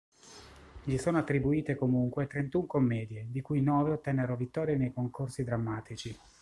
Gli sono attribuite, comunque, trentun commedie, di cui nove ottennero vittorie nei concorsi drammatici.